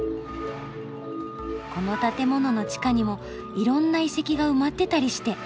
この建物の地下にもいろんな遺跡が埋まってたりして。